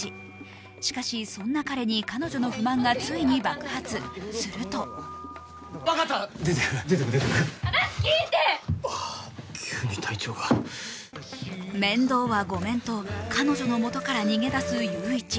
しかし、そんな彼に彼女の不満が爆発、すると面倒はごめんと、彼女のもとから逃げ出す裕一。